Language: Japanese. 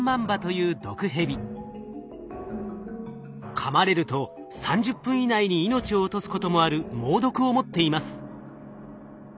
かまれると３０分以内に命を落とすこともある猛毒を持っています。